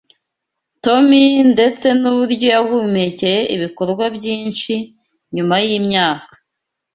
Tomi ndetse n’uburyo yahumekeye ibikorwa byinshi, nyuma yimyaka